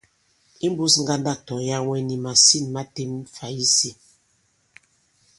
Imbūs ŋgandâk tɔ̀yaŋwɛ, nì màsîn ma têm fày isī.